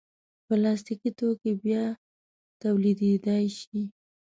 پلاستيکي توکي بیا تولیدېدای شي.